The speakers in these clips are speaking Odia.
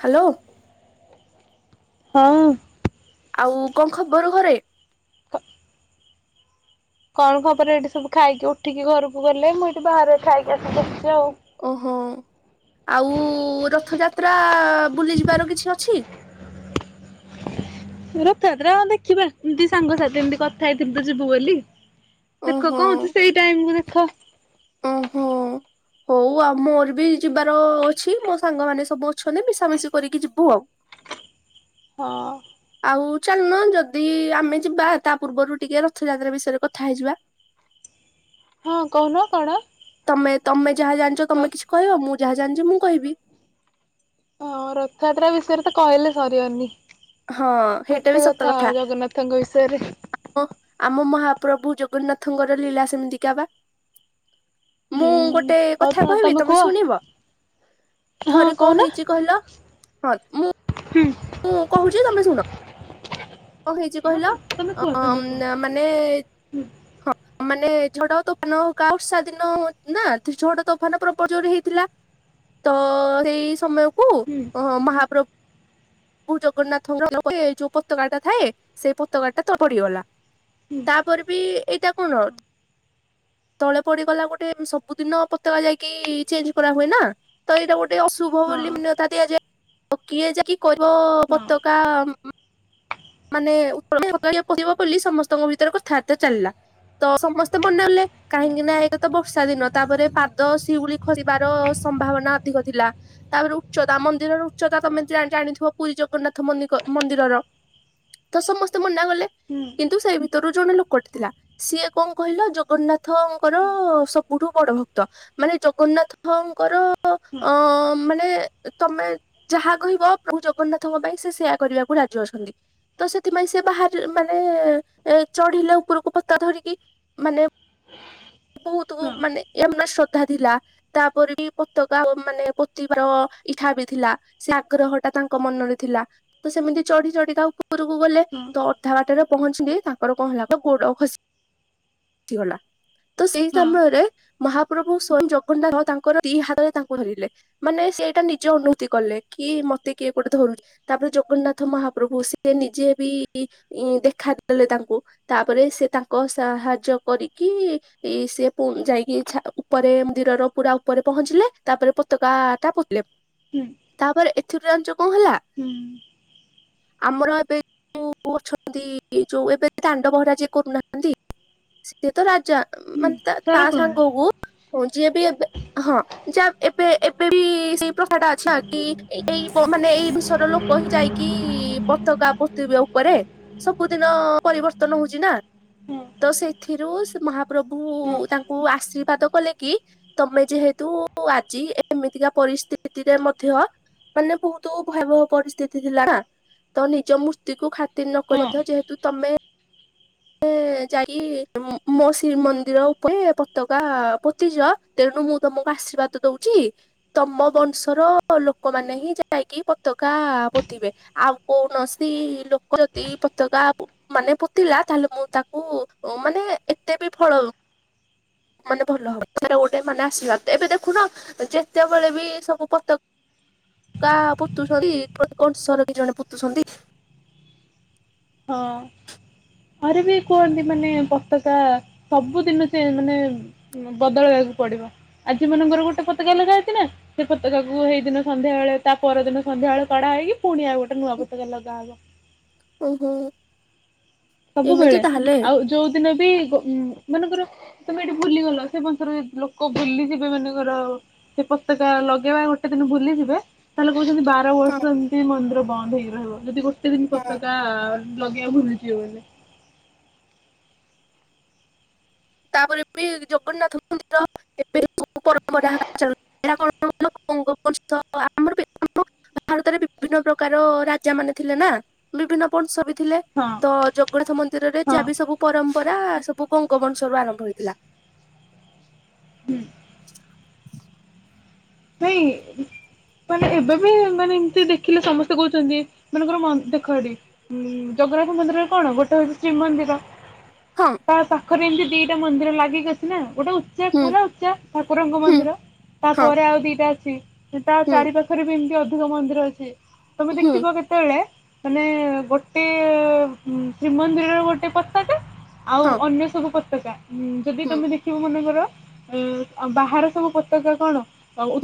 ହାଲୋ? ହଁ। ଆଉ କଣ ଖବର ଘରେ? କଣ ଖବର ଏଠି ସବୁ ଖାଇକି ଉଠିକି ଘରକୁ ଗଲେ ମୁଁ ଏଇଠି ବାହାରେ ଖାଇକି ଆସି ବସିଚି ଆଉ। ଓହୋ। ଆଉ ରଥଯାତ୍ରା ବୁଲି ଯିବାର କିଛି ଅଛି? [inaudible] [unintelligible] ରଥଯାତ୍ରା ଦେଖିବା ଏମତି ସାଙ୍ଗସାଥି ଏମତି କଥା ହେଇଥିଲୁ ତ ଯିବୁ ବୋଲି। ଦେଖ ଓହୋ କୋହୁଚି ସେଇ ଟାଇମରେ ଦେଖ। ହୋଉ ଆଉ ମୋର ବି ଯିବାର ଅଛି ମୋ ସାଙ୍ଗମାନେ ସବୁ ଅଛନ୍ତି ମିଶାମିଶି କରିକି ଯିବୁ ଆଉ। ହଁ। ଆଉ ଚାଲୁନ ଯଦି ଆମେ ଯିବା ତା ପୂର୍ବରୁ ଟିକେ ରଥଯାତ୍ରା ବିଷୟରେ କଥା ହେଇଯିବା। ହଁ କୋହୁନ କଣ? ତମେ ତମେ ଯାହା ଜାଣିଚ ତମେ କିଛି କହିବ, ମୁଁ ଯାହା ଜାଣିଚି ମୁଁ କହିବି। ହଁ ରଥଯାତ୍ରା ବିଷୟରେ ତ କହିଲେ ସରିିବନି। ହଁ ହେଇଟା ବି ସତ କଥା ଜଗନ୍ନାଥଙ୍କ ବିଷୟରେ। ଆମ ଆମ ମହା ପ୍ରଭୁ ଜଗନ୍ନାଥଙ୍କର ଲୀଳା ସେମିତିକା ପା। ମୁଁ ହୁଁ। ଗୋଟେ ହଉ କଥା ତ କହିବି ତମେ କୁହ ଶୁଣିବ? ହଁ ଥରେ କଣ କହୁନ। ହେଇଚି କହିଲ କଲ୍ ମୁଁ ହୁଁ ମୁଁ କୋହୁଚି ତମେ ଶୁଣ। କଣ ହେଇଚି ହଁ ତ କହିଲ ତମେ କୁହ ତମେ କୁହ ଅଁ-ମାନେ ହୁଁ ହଁ ମାନେ ଝଡ ତୋଫାନ କା ଉଷା ଦିନ ନା ତି ଝଡ ତୋଫାନ ପ୍ବଳର ଜୋରେ ହେଇଥିଲା। ତ ସେଇ ସମୟକୁ ହୁଁ ଅ ମହାପ୍ର ଭୁ ଜଗନ୍ନାଥ ଯୋଉ ପତକାଟା ଥାଏ ସେ ପତକାଟାଟା ତଳେ ପଡ଼ିଗଲା। ହୁଁ। ତାପରେ ବି ଏଇଟା କଣ ତଳେ ପଡିଗଲା ଗୋଟେ ସବୁଦିନ ପତକା ଯାଇକି ଚେଞ୍ଜ କରାହୁଏ ନା ତ ଏଇଟା ଗୋ ଗୋଟେ ଅଶୁଭ ହଁ ବୋଲି ମାନ୍ୟତା ଦିଆଯାଏ କିଏ ଯାଇକି କରିବ ହଁ ପତକା ମାନେ [inaudible] ବୋଲି ସମସ୍ତଙ୍କ ଭିତରେ କଥାବାର୍ତ୍ତା ଚାଲିଲା। ତ ସମସ୍ତେ ମନାକଲେ କାହିଁକିନା ଏଇଟା ତ ବର୍ଷା ଦିନ ତାପରେ ପାଦ ସିଉଳି ଖସିବାର ସମ୍ଭାବନା ଅଧିକ ଥିଲା ତାପରେ ଉଚ୍ଚତା ମନ୍ଦିରର ଉଚ୍ଚତା ହଁ ତମେ ଜା-ଜାଣିଥିବ ପୁରୀ ଜଗନ୍ନାଥ ମନ୍ଦିକ-ମନ୍ଦିରର ତ ସମସ୍ତେ ମନ୍ ନା କଲେ ହଁ। କିନ୍ତୁ ସେଇ ଭିତରୁ ଜଣେ ଲୋକଟି ଥିଲା ସିଏ କଣ କହିଲା ଜଗନ୍ନାଥ୍ ଥଙ୍କର ହଁ। ସବୁଠୁ ବଡ ଭକ୍ତ ମାନେ ଜଗନ୍ନାଥଙ୍କର ତ ସାର ଅ-ମାନେ ତମେ ଯାହା କହିବ ପ୍ରଭୁ ଜଗନ୍ନାଥଙ୍କ ପାଇଁ ସେ ସେୟା କରିବାକୁ ରାଜି ଅଛନ୍ତି। ତ ସେଥିପାଇଁ ସିଏ ବାହାରି-ମାନେ ଏ-ଚଢିଲେ ଉପରକୁ ପତକା ଧରିକି ମାନେ [inaudible] ବୋହୁତୁ ଉ-ମାନେ ଆମ ସତ ତାହା ଥିଲା ତାପରେ ବି ପତକା ମାନେ ପୋତିିବାର ଇଛା ବି ଥିଲା ସେ ଆଗ୍ରହଟା ତାଙ୍କ ମନରେ ଥିଲା ତ ସେମିତି ଚଢି ଚଢି ତା ଉପରକୁ ଗଲେ ତ ଅଧା ବାଟରେ ପହଞ୍ଚିଲି ତାଙ୍କର କଣ ହେଲା ଗୋଡ ଖସି-ସିଗଲା ତ ସେଇ ସମୟରେ ମହା ପ୍ରଭୁ ସ୍ଵୟଂ ଜଗନ୍ନାଥ ତାଙ୍କର ଦି ହାତରେ ତାଙ୍କୁ ଧରିଲେ ମାନେ ସେ ଏଟା ନିଜେ ଅନୁଭୂତି କଲେ କି ମତେ କିଏ ଗୋଟେ ଧରୁଚି ତାପରେ ଜଗନ୍ନାଥ ମହାପ୍ରଭୁ ଆସି ସେ ନିଜେ ବି ଦେଖାଦେଲେ ତାଙ୍କୁ ତାପରେ ସେ ତାଙ୍କ ସାହାଯ୍ୟ କରିି କି ଇ-ସିଏ ପୁଣ୍-ଯାଇକି ଛା-ଉପରେ ମନ୍ଦିରର ପୁରା ଉପରେ ପହଞ୍ଚିଲେ ତାପରେ ପତକା ଆଟା ପୋତିଲେ ତାପରେ ଏଥିରୁ ଯାଣିଚ କଣ ହେଲା? ଆମର ଏବେ ଯୋଉ ଅଛନ୍ତି ଯୋଉ ଏବେ ଦାଣ୍ଡ ପହଁରା ଯିଏ କରୁନାହାନ୍ତି ସେ ତ ରାଜା ମାନେ ତା ତା ପହଁରା। ସାଙ୍ଗକୁ ହଁ ଯିଏ ବି ଏବେ ହଁ ଯ ଏବେ ଏବେ ବି ସେଇ ପ୍ରଥାଟା ଅଛି କି ଏଇ ମାନେ ଏଇ ବିଷୟରେ ଲୋକ ହି ଯାଇକି ପତକା ପୋତିବେ ଉପରେ ସବୁଦିନ ପରିବର୍ତ୍ତନ ହଉଛି ନା। ତ ସେଥିରୁ ସେ ମହାପ୍ରଭୁ ତାଙ୍କୁ ଆଶୀର୍ବାଦ କଲେ କି ତମେ ଯେହେତୁ ତ ଆଜି ଏମିତିକା ପରିସ୍ଥିତିରେ ମଧ୍ୟ ମାନେ ବହୁତ ଭୟାବହ ପରିସ୍ଥିତି ଥିଲା ନା ତ ନିଜ ମୂର୍ତ୍ତିକୁୁ ଖାତିର ନକରି ହଁ ମଧ୍ୟ ଯେହେତୁ ତମେ [inaudible] ଯାଇ ମୋ ମୋ ଶ୍ରୀମନ୍ଦିର ଉପରେ ପତକା ପୋତିଚ ତେଣୁ ମୁଁ ତମକୁ ଆଶୀର୍ବାଦ ଦଉଚି ତମ ବଂଶର ଲୋକମାନେ ହିଁ ଯାଇକି ପତାକା ପୋ ତିବେ, ଆଉ କୌଣସି ଲୋକ ଯଦି ପତାକା ମାନେ ପୋତିଲା ତାହେଲେ ମୁଁ ତାକୁ ମାନେ ଏତେ ବି ଫଳ ମାନେ ଭଲ ହବ ଗୋଟେ ମାନେ ଆଶୀର୍ବାଦ ଏବେ ଦେଖୁନ ଯେତେବେଳେ ବି ସବୁ ପତ କା ପୋତୁଛନ୍ତି [unintelligible] କି ଜଣେ ପୋତୁଛନ୍ତି ହଁ। ଘରେ ବି କୁହନ୍ତି ମାନେ ପତକା ସବୁଦିନ ସେ ମାନେ ବଦଳେଇଆ କୁ ପଡିବ ଆଜି ମନଙ୍କର ଗୋଟେ ପତକା ଲଗା ହେଇଥିଲା ସେ ପତକାକୁ ସେଇ ଦିନ ସନ୍ଧ୍ୟା ବେଳେ ତା ପରଦିନ ସନ୍ଧ୍ୟା ବେଳେ କଢା ହେଇକି ପୁଣି ଆଉ ଗୋ ନୂଆ ପତକା ଲଗା ହବ। ଓହୋ। ଏମିତି ସବୁବେଳେ ତାହେଲେ। ଆଉ ଯୋଉ ଦିନ ବି ଗୋ ମନକର ତମେ ଯଦି ଭୁଲିଗଲ ସେ ବଂଶର ଯେଦି ଲୋକ ଭୁଲି ଯିବେ ମନେକର ସେ ପତକା ଲଗେଇବା ଗୋଟ ଗୋଟେ ଦିନ ଭୁଲିଯିବେ ତାହେଲେ କହୁଚନ୍ତି ବାର ହଁ ବର୍ଷ ଏମତି ମନ୍ଦିର ବନ୍ଦ ହେଇକି ରହିବ ଯଦି ଗୋଟେ ଦିନ ହଁ ପତକା ଲଗେଇବା ଭୁଲି ତାପରେ ବି ଜଗନ୍ନାଥ ମନ୍ଦିର ଏବେ ସବୁ ପରମ୍ପରା [unintelligible] [unintelligible] ଭାରତରେ ବିଭିନ୍ନ ପ୍ରକାର ରାଜା ମାନେ ଥିଲେ ନା ବିଭିନ୍ନ ବଂଶ ବି ଥିଲେ ହଁ ତ ଜଗନ୍ନାଥ ମନ୍ଦିରରେ ହଁ ଯାହା ବିି ସବୁ ପରମ୍ପରା ସବୁ ଗଙ୍ଗ ବଂ ଶ ରୁ ଆରମ୍ଭ ହୋଇଥିଲା। ହୁଁ। ନାଇଁ ମାନେ ଏବେ ବି ମାନେ ଏମତି ଦେଖିଲେ ସମସ୍ତେ କହୁଛନ୍ତି ମନେକର ମନ୍ଦ ଦେଖ ସେଠି ଉଁ ଜଗନ୍ନାଥ ମନ୍ଦିରରେ କଣ ଗୋଟେ ହଉଛି ଶ୍ରୀମନ୍ଦିର ହଁ ତା ପାଖରେ ଏମିତି ଦିଟା ମନ୍ଦିର ଲାଗିକି ଅଛି ନା। ଗୋଟେ ଉଚ୍ଚା ହୁଁ ପୁରା ଉଚ୍ଚା ଠାକୁରଙ୍କ ହୁଁ ମନ୍ଦିର, ହଁ ତାପରେ ଆଉ ଦିଟା ଅଛି। ସେ ତା ହୁଁ ଚାରି ପାଖରେ ବି ଏମତି ଅଧିକ ମନ୍ଦିର ଅଛି ତମେ ହୁଁ ଦେଖିବ କେତେବେଳେ ମାନେ ଗୋଟେ ଶ୍ରୀମନ୍ଦିରର ଗୋଟେ ପତାକା ଆଉ ହଁ ଅନ୍ୟ ସବୁ ପତକା ଉ ଯଦି ହୁଁ ତମେ ଦେଖିବ ମନେକର ଉଁ ଆଉ ବାହାର ସବୁ ପତକା କଣ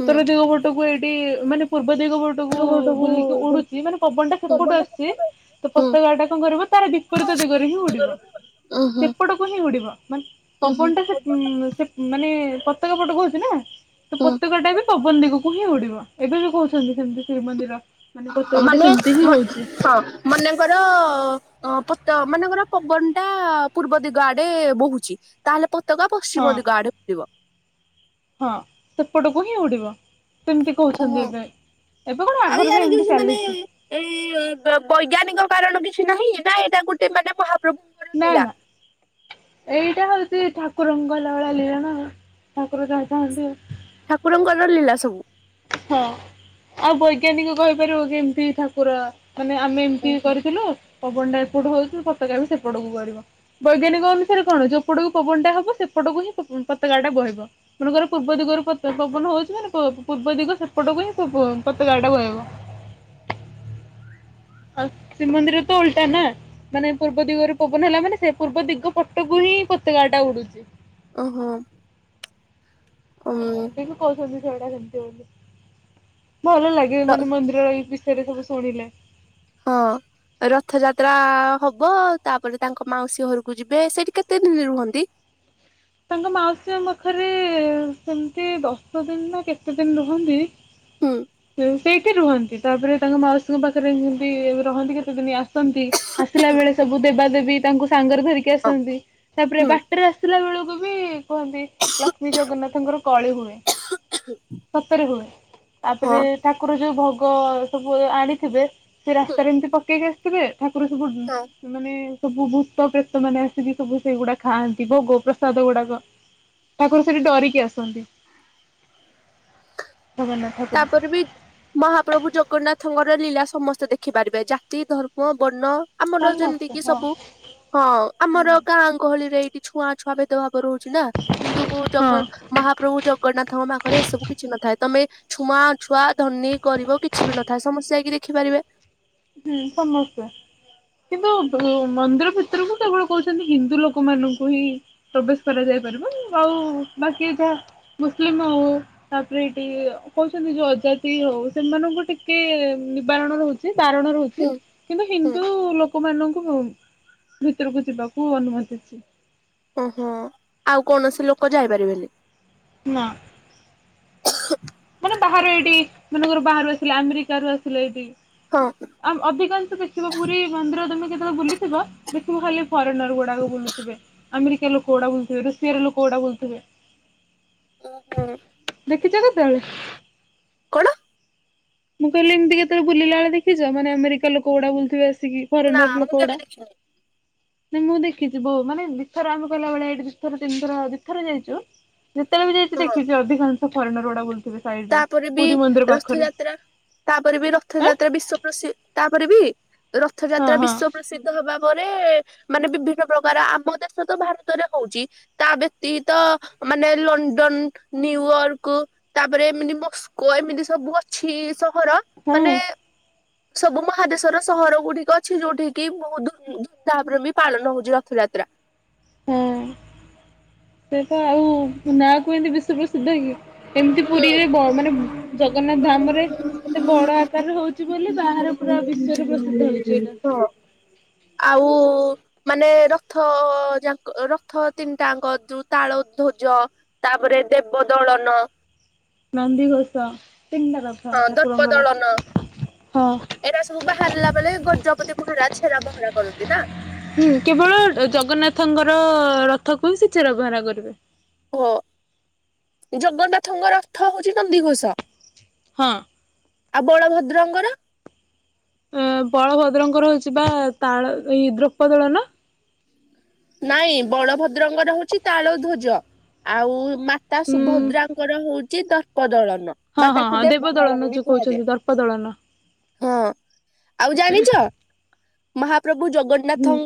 ହୁଁ ଦିଗ ପଟକୁ ଏଇଟି ମାନେ ପୂର୍ବ ଦିଗ ପଟକୁ ସେଠୁକୁ ବୁଲିକି ଉଡୁଚି ମାନେ ପବନଟା ହୁଁ ସେପଟୁ ଆସୁଛି। ତ ଉଁ ପତକାଟା କଁ କରିବ ତାର ବିପରୀତ ଦିଗରେ ହିଁ ଉଡିବ। ହୁଁ ସେପଟକୁ ହିଁ ଉଡିବ ମାନ ଉଁ ହୁଁ ପବନଟା ସେ ଉମ୍ ସେ ମାନେ ପତକା ପଟକୁ ଅଛି ନା। ତ ହୁଁ। ପତାକା ଟା ବି ପବନ ଦିଗକୁ ହିଁ ଉଡିବ ଏବେ ବି କହୁଛନ୍ତି ଯେମତି ଶ୍ରୀମନ୍ଦିର ମାନେ ପତାକାଟା ମାନେ ସେମିତି ହିଁ ମ ହଉଛି ହଁ ମନେଙ୍କର ତ ମନେକର ପବନ ଟା ପୂର୍ବ ଦିଗ ଆଡେ ବହୁଛି, ତାହେଲେ ପ ତକା ହଁ ପଶ୍ଚିମ ଦିଗ ଆଡେ ଉଡିବ। ଏପଟକୁ ହିଁ ଉଡିବ କେମତି ଓହୋ କହୁଛନ୍ତି ଏବେ ଏବେ କଣ ଆଉ ଆଗରୁ ବି ୟାର ଏମିତି କିଛି ମାନେ ଚାଲିଛି ଏଁ ବୈଜ୍ଞାନିକ କାରଣ ବି କିଛି ନାହିଁ, ନା ଏଇଟା ଗୋଟେ ମାନେ ମହାପ୍ରଭୁଙ୍କର ନା ଲୀଳା? ନା। ଏଇଟା ହୋଉଛି ଠାକୁରଙ୍କ ଲୀଳା ନା ଆଉ ଠାକୁର ଯାଇଥାନ୍ତି। ଠାକୁରଙ୍କର ଲୀଳା ସବୁ। ହଁ ଆଉ ବୈଜ୍ଞାନିକ କହିପାରିବ କେମିତି ଠାକୁର ମାନେ ଆମେ ଏମିତି ଓହୋ। କରିଥିଲୁ। ପବନ ଟା ଏପଟୁ ହଉଛି ପତକା ବି ସେପଟକୁ ଗଡିବ ବୈଜ୍ଞାନିକ ଅନୁସାରେ କଣ ଯୋଉପଟୁ ପବନ ଟା ହବ ସେପଟ ପଟକୁ ହିଁ ପ ପତକା ଟା ବହିବ ମନେଙ୍କର ପୂର୍ବ ଦିଗରୁ ପବନ ହୋଉଚି ପୁ ପୂର୍ବ ଦିଗ ସେପଟକୁ ହିଁ ପ ପତକାଟା ବୋହିବ। ଆଉ ଶ୍ରୀମନ୍ଦିର ତ ଓଲଟା ନା। ମାନେ ପୂର୍ବ ଦିଗରେ ପବନ ହେଲା ମାନେ ସେ ପୂର୍ବ ଦିଗ ପଟକୁ ହିଁ ପତକାଟା ଉଡୁଚି। ଓହୋ। ଉଁ ଟୁ କହୁଛନ୍ତି ଟା କେମିତି ବୋଲି ଭଲ ଲାଗେ ତ ମାନେ ମନ୍ଦିର ସେଟ ସବୁ ଶୁଣିଲେ ହଁ। ରଥଯାତ୍ରା ହବ ତାପରେ ତାଙ୍କ ମାଉସୀ ଘରକୁ ଯିବେ ସେଇଠି କେତେ ଦିନ ରୁହନ୍ତି? ହ ତାଙ୍କ ମାଉସୀ ପାଖରେ ସେମିତି ଦଶ ଦିନ ନା କେତେ ଦିନ ରୁହନ୍ତି? ହୁଁ ସେଇଠି ରୁହନ୍ତି ତାପରେ ତାଙ୍କ ମାଉସୀଙ୍କ ପାଖରେ ଯେମିତି ରହନ୍ତି କେତେଦିନିଆ ଆ ଆସିଲା ବେଳେ ସବୁ ଦେବାଦେବୀ ତାଙ୍କୁ ସାଙ୍ଗରେ ଧରିକି ହଁ ଆସନ୍ତି, ତାପରେ ହୁଁ ବାଟରେ ଆସିଲା ବେଳକୁ ବି କୁହନ୍ତି ଲକ୍ଷ୍ମୀ ଜଗନ୍ନାଥଙ୍କର କଳି ହୁଏ। ସତରେ ହୁଏ ହଁ। ତାପରେ ଠାକୁର ଯୋଉ ଭଗ ସବୁ ଆଣିଥିବେ ସେ ରାସ୍ତାରେ ଏମିତି ପକେଇକି ଆସିଥିବେ। ଠାକୁର ସବୁ ହଁ ମାନେ ସବୁ ଭୂତ ପ୍ରେତ ମାନେ ଆସିକି ସବୁ ସେଗୁଡା ଖାଆନ୍ତି ଭୋଗ। ସାଧ ଗୁଡାକ ଠାକୁର ସେଠି ଡରିକି ଆସନ୍ତି। ଜଗନ୍ନାଥ ଠାକୁର। ତାପରେ ବି ମହାପ୍ରଭୁ ଜଗନ୍ନାଥଙ୍କର ଲୀଳା ସମସ୍ତେ ଦେଖିପାରିବେ, ଜାତି ଧର୍ମ ବର୍ଣ୍ଣ ଆମର ଯେମିତି ସମସ୍ତେ କିି ହଁ ସବୁ ହଁ ହୁଁ ଆମର ଗାଁ ଗହଳିରେ ଏଇଠି ଛୁଆ ଛୁଆ ଭେଦଭାବ ରହୁଛି ନା କିନ୍ତୁ ହଁ ମହାପ୍ରଭୁ ଜଗନ୍ନାଥଙ୍କ ପାଖରେ ଏ ସବୁ କିଛି ନଥାଏ ତମେ ଛୁଆ ଛୁଆ ଧନୀ କରିବ କିଛି ବି ନଥାଏ, ସମସ୍ତେ ଯାଇକି ଦେଖିପାରିବେ। ହୁଁ ସମସ୍ତେ କିନ୍ତୁ ମନ୍ଦିର ଭିତରକୁ କେବଳ କହୁଛନ୍ତି ହିନ୍ଦୁ ଲୋକ ମାନଙ୍କୁ ହିଁ ପ୍ରବେଶ କରାଯାଇ। ଆଉ ବାକି ଏ ଯ ମୁସଲିମ ହୋଉ ତାପରେ ଏଠି କହୁଛନ୍ତି ଯୋଉ ପ୍ରଜାତି ହୋଉ ସେମାନଙ୍କୁ ଟିକେ ନିବାରଣ ରହୁଚି। କାରଣ ରହୁଛି ହୁଁ କିନ୍ତୁ ହୁଁ ହିନ୍ଦୁ ଲୋକ ମାନଙ୍କୁ ଭିତରକୁ ଯିବାକୁ ଅନୁମତିଚି ଓହୋ ଆଉ କୌଣସି ଲୋକ ଯାଇପାରିବେନ। ନା। ମାନେ ବାହାରୁ ଏଇଠି ମାନେଙ୍କର ବାହାରୁ ଆସିଲା ଆମେରିକ ରୁ ଆସିଲା ଏଠି। ହଁ ଆ ଅଧିକାଂଶ ଦେଖିବ ପୁରୀ ମନ୍ଦିର ତମେ କେ ବୁଲୁ ଲଥିବ ଦେଖିବ ମୁଁ ଖା ଫରେନର ଗୁଡାକ ବୁଥିବେମରିକା ଲୋକ ଗୁଡା ବୁବେ ରୁିଆ ର ଲୋକ ଗୁଡା ଥିବ। ଓ ହୋ। ଦେଖିଛ କେତେବେଳେ ମୁଁ କହିଲି ଏମିତି କେତେବେଳେ ବୁିଲା ବେ ଦେଖିଚ ମାନେ ଆମେରିକା ଲୋକ ଗୁଡ ବୁଥିବ ଆ ନା ଫରେନର ମୁଁ ଲୋକ ଗୁଡା କେବେ ଦେଖିନି ନା ମୁଁ ଦେଖିଛି ଯିବ ମାନେ ଦିଇଥର ଆମେ କିଲା ବେଳେ ଏଇଠି ଦିଇଥର ତିନିଥର ଦୁଇଥର ଯାଇଚୁ। ଯେତେବେଳେ ବି ଯାଇଚି ହଁ ଦେଖିଚି ଅଧିକାଂଶ ଫରେଣ ରୋଡା ବୁଲଥେ ସାଇଡରେ ତାପରେ ବି ପୁରୀ ମନ୍ଦିର ପାଖରେ। ରଥଯାତ୍ରା ତାପରେ ବି ରଥଯାତ୍ରା ବିଶ୍ଵ ପ୍ରସିଦ୍ଧ ତାପରେ ବି ଆଁ ରଥଯାତ୍ରା ହଁ ହଁ ବିଶ୍ଵ ପ୍ରସିଦ୍ଧ ହବା ପରେ ମାନେ ବିଭିନ୍ନ ପ୍ରକାର ଆମ ଦେଶ ତ ଭାରତରେ ହୋଉଚି ତା ବ୍ୟତୀତ ମାନେ ଲଣ୍ଡନ ନିୁୟର୍କ ତା ତାପରେ ଏମିତି ମସ୍କୋ ଏମିତି ସବୁ ଅଛି ସହର ମାନେ ହଁ ସବୁ ମହାଦେଶର ସହର ଗୁଡିକ ଅଛି ଯୋଉଠି କିି ବହୁତମ ଧୁମଧାମରେ ବି ପାଳନ ହଉଛି ରଥ ଜା ଯାତ୍ରା। ହଁ ସେଟ ଆଉ ନାଁ କୁହନ୍ତି ବିଶ୍ଵ ପ୍ରସିଦ୍ଧ କି? ଏମିତି ପୁରୀରେ ବ ମାନେ ଜଗନ୍ନାଥ ଧାମରେ ଏତେ ବଡ ଆକାର ହଉଛି। ବୋଲି ବାହାରେ ପୁରା ବିଶ୍ଵରେ ପ୍ରସିଦ୍ଧ ହେଇଛି ଏଇଟା। [unintelligible] ହଁ ଆଉ। ମାନେ ରଥ ଯାଙ୍କ ରଥ ତିନିଟା ଆଙ୍କ ରୁ ତାଳ ଧ୍ୱଜ ତାପରେ ଦେବ ଦଳନ। ନନ୍ଦି ଘୋଷ। ହଁ ଦର୍ପ ଦଳନ। ହଁ। ଏଇଟା ସବୁ ବାହାରିଲା ବେଳେ ଗଜପତି ମହାରାଜ ଛେରା ବହରା କରନ୍ତି ନା। ହୁଁ କେବଳ ଜଗନ୍ନାଥଙ୍କର ରଥକୁ ହିଁ ସେ ଛେରା ପ ହଁ ରା କରିବେ। ଓ ଜଗନ୍ନାଥଙ୍କର ରଥ ହଉଛି ନନ୍ଦିଘୋଷ। ହଁ। ଆଉ ବଳଭଦ୍ରଙ୍ଗର? ଅ ବଳଭଦ୍ରଙ୍କର ହଉଛି ବା ତାଳ ଦ୍ରପଦଳ ନ। ନାଇଁ ବଳଭଦ୍ରଙ୍ଗର ହଉଛି ତାଳ ଧ୍ୱଜ ଆଉ ମାତା ହୁଁ ସୁଭଦ୍ରାଙ୍କର ହଉଛି ଦର୍ପ ଦଳନ। ବା ହଁ ହଁ ହଁ ତାକୁ ଦେ ବ ଦେବଦଳନ ଦଳନ ବି ଯୋଉ କୁହାଯାଏ। କହୁଛନ୍ତି ଦର୍ପ ଦଳନ। ହଁ ଆଉ ଜାଣିଛ? ମହାପ୍ରଭୁ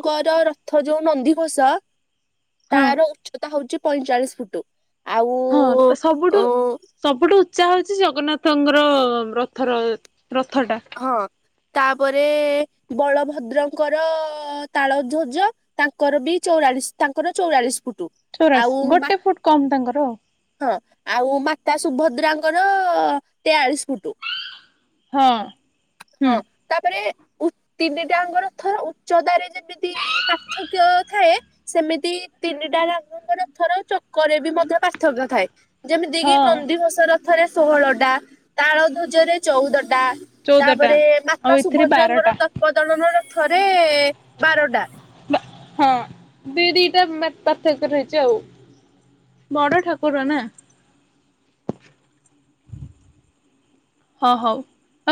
ହୁଁ ରଥ ଯୋଉ ନନ୍ଦିଘୋଷ ହଁ। ତାର ଉଚ୍ଚତା ହଉଛି ପଇଁଚାଳିଶ ଫୁଟ। ଆଉ ହଁ ତ ଅ ସବୁଠୁ ସବୁଠୁ ଯାହା ହଉଛି ଜଗନ୍ନାଥଙ୍କର ରଥର ରଥଟା। ହଁ ତାପରେ ବଳଭଦ୍ରଙ୍କର ତାଳ ଧୂଜ ତାଙ୍କର ବି ଚଉରାଳିଶ ତାଙ୍କର ଚଉରାଳିଶ ଫୁଟ। ଚୋରାଶ ଆଉ ଗୋଟେ ଫୁଟ କମ୍ ତାଙ୍କର ଆଉ। ହଁ। ଆଉ ମାତା ସୁଭଦ୍ରାଙ୍କର ତେୟାଳିଶ ଫୁଟ। ହଁ ହୁଁ ହଁ ତାପରେ ତିନିଟାଙ୍କର ଥର ଉଚ୍ଚତାରେ ଯେମିତି ପାର୍ଥକ୍ୟ ଥାଏ ସେମିତି ତିନିଟା ରାମଙ୍କର ଥର ଚକରେ ବି ମଧ୍ୟ ପାର୍ଥକ୍ୟ ଥାଏ। ଯେମିତି କିି ହଁ ନନ୍ଦିଘୋଷ ରଥରେ ଷୋହଳ ଟା ତାଳ ଧ୍ୱଜରେ ଚଉଦ ଟା। ଚଉଦଟା ତାପରେ ଆଉ ମାତା ଏଥିରେ ବାରଟା। ସୁଭଦ୍ରାଙ୍କର ତତ୍ପ ଦଳନ ର ଥରେ ବାରଟା। ବା ହଁ ଦି ଦିଟା ପାର୍ଥକ ରହିଛି ଆଉ। ବଡ ଠାକୁର ନା। ହଁ ହଉ।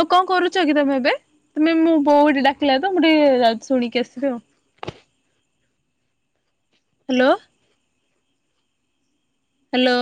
ଆଉ କଣ କରୁଛ କି ତମେ ଏବେ? ତମେ ମୁଁ ବୋଉୋ ଡାକିଲ ତ ମୁଁ ଟିକେ ଶୁଣିକି ଆସିବି ଆଉ। [inaudible] ହ୍ୟାଲୋ। ହ୍ୟାଲୋ।